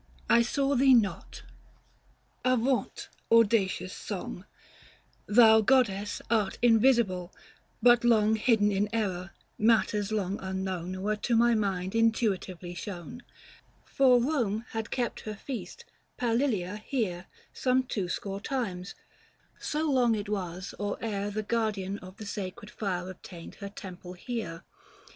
I saw thee not — avaunt, audacious song ! Thou goddess art invisible ; but long Hidden in error, matters long unknown Were to my mind intuitively shown. 305 For Borne had kept her feast Palilia here Some two score times : so long it was. or e'er The guardian of the sacred fire obtained Her temple here.